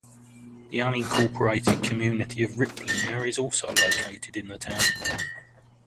The unincorporated community of Riplinger is also located in the town.